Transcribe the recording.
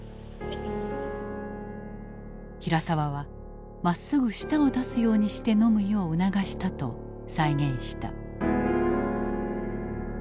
平沢はまっすぐ舌を出すようにして飲むよう促したと再現した。